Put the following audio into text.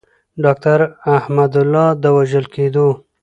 داکتر احمد الله د وژل کیدو.